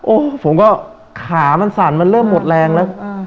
โอ้โหผมก็ขามันสั่นมันเริ่มหมดแรงแล้ว